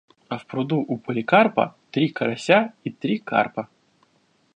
А в пруду у Поликарпа – три карася и три карпа.